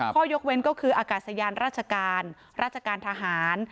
ข้อยกเว้นก็คืออากาศยานราชการราชการทหาร